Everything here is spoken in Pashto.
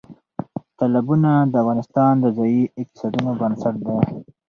تالابونه د افغانستان د ځایي اقتصادونو بنسټ دی.